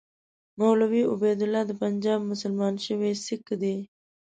مولوي عبیدالله د پنجاب مسلمان شوی سیکه دی.